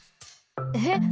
えっ？